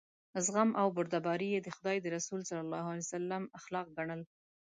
زغم او بردباري یې د خدای د رسول صلی الله علیه وسلم اخلاق ګڼل.